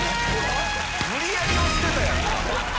無理やり押してたやんか。